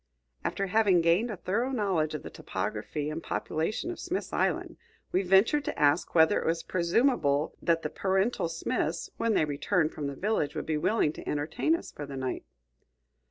After having gained a thorough knowledge of the topography and population of Smith's Island, we ventured to ask whether it was presumable that the parental Smiths, when they returned home from the village, would be willing to entertain us for the night.